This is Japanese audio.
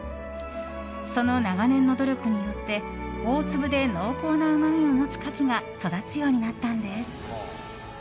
その長年の努力によって大粒で濃厚なうまみを持つカキが育つようになったのです。